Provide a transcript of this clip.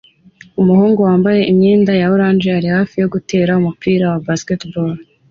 umuhungu wambaye imyenda ya orange ari hafi gutera umupira wa baseball